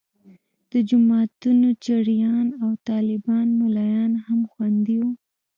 د جوماتونو چړیان او طالبان ملایان هم خوندي وو.